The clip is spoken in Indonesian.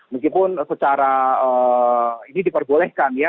meskipun secara ini diperbolehkan ya